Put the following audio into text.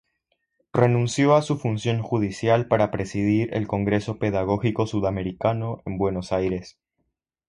Renunció a su función judicial para presidir el Congreso Pedagógico Sudamericano en Buenos Aires.